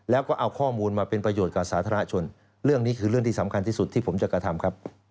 แล้วก็เอาข้อมูลมาเป็นประโยชน์กับสาธารณชนเรื่องนี้คือเรื่องที่สำคัญที่สุดที่ผมจะกระทำครับ